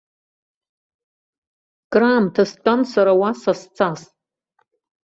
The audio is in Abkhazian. Краамҭа стәан сара уа сасҵас.